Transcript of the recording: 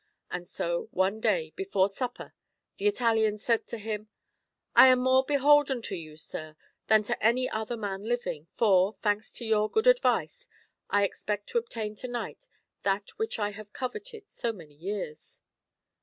And so one day before supper the Italian said to him " I am more beholden to you, sir, than to any other man living, for, thanks to your good advice, I expect to obtain to night that which I have coveted so many years."